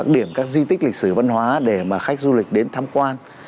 điểm các di tích lịch sử văn hóa để mà khách du lịch đến tham quan